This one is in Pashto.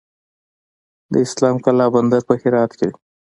د اسلام قلعه بندر په هرات کې دی